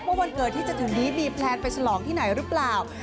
วันเกิดที่จะถึงนี้มีแพลนไปฉลองที่ไหนหรือเปล่า